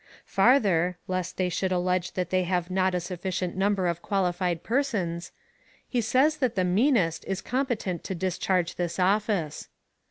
Farther, lest they should allege that they have not a sufficient number of qualified persons, he says that the meanest is competent to discharge this office.